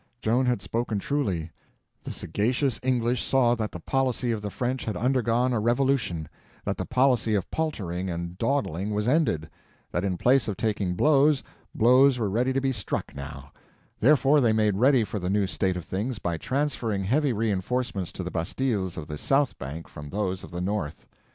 Joan had spoken truly; the sagacious English saw that the policy of the French had undergone a revolution; that the policy of paltering and dawdling was ended; that in place of taking blows, blows were ready to be struck now; therefore they made ready for the new state of things by transferring heavy reinforcements to the bastilles of the south bank from those of the north.